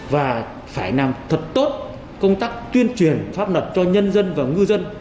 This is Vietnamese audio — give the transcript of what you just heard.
và phải làm thật tốt công tác tuyên truyền pháp luật cho nhân dân và ngư dân